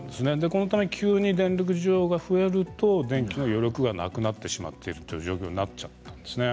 このため急に電力需要が増えると電気の余力がなくなってしまっているという状況になっちゃったんですね。